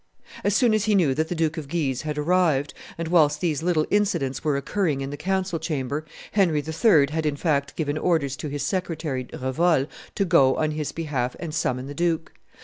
As soon as he knew that the Duke of Guise had arrived, and whilst these little incidents were occurring in the council chamber, Henry III. had in fact given orders to his secretary Revol to go on his behalf and summon the duke.